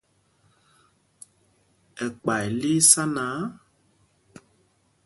Ɛkpay lí í sá náǎ,